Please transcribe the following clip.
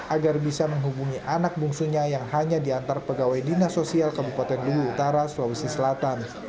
agar bisa menghubungi anak bungsunya yang hanya diantar pegawai dinas sosial kabupaten luhu utara sulawesi selatan